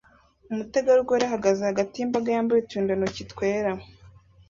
Umutegarugori ahagaze hagati yimbaga yambaye uturindantoki twera